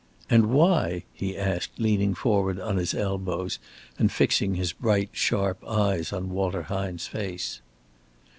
"And why?" he asked, leaning forward on his elbows and fixing his bright, sharp eyes on Walter Hine's face.